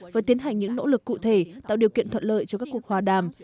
và tiến hành những nỗ lực cụ thể tạo điều kiện thuận lợi cho các cuộc hòa đàm